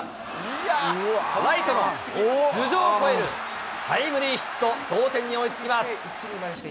ライトを頭上を越えるタイムリーヒット、同点に追いつきます。